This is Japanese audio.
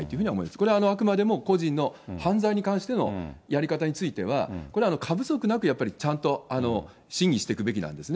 これはあくまでも個人の犯罪に関してのやり方については、これは過不足なくやっぱりちゃんと、審議していくべきなんですね。